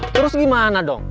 terus gimana dong